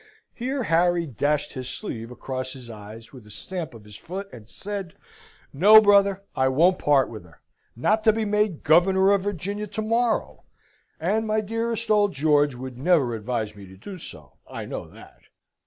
Here Harry dashed his sleeve across his eyes, with a stamp of his foot, and said, "No, brother, I won't part with her not to be made Governor of Virginia tomorrow; and my dearest old George would never advise me to do so, I know that."